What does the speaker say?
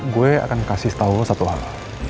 gue akan kasih tau lo satu hal